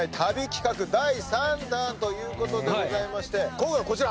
今回こちら。